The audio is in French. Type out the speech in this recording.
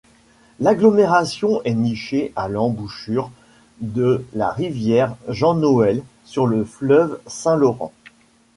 L'agglomération est nichée à l'embouchure de la rivière Jean-Noël sur le fleuve Saint-Laurent.